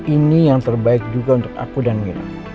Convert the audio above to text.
ini yang terbaik juga untuk aku dan mira